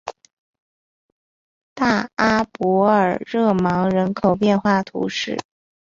大阿伯尔热芒人口变化图示